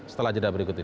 setelah jeda berikut ini